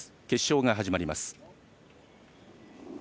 決勝が始まります。